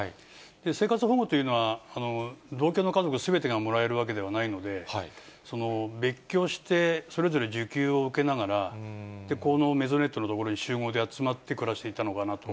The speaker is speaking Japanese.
生活保護というのは、同居の家族すべてがもらえるわけではないので、別居して、それぞれ受給を受けながら、このメゾネットの所に集合で集まって暮らしていたのかなと。